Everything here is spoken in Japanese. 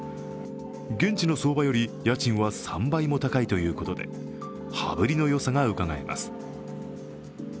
現地の相場より家賃は３倍も高いということで羽振りのよさがうかがえます。